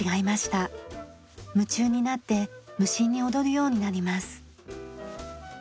夢中になって無心に踊るようになります。